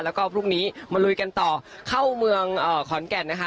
แล้วก็พรุ่งนี้มาลุยกันต่อเข้าเมืองขอนแก่นนะคะ